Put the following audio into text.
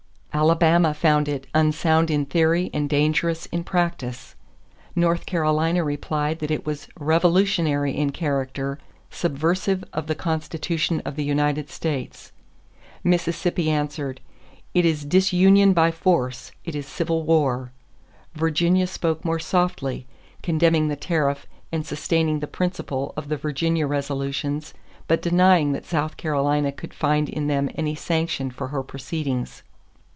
Alabama found it "unsound in theory and dangerous in practice." North Carolina replied that it was "revolutionary in character, subversive of the Constitution of the United States." Mississippi answered: "It is disunion by force it is civil war." Virginia spoke more softly, condemning the tariff and sustaining the principle of the Virginia resolutions but denying that South Carolina could find in them any sanction for her proceedings.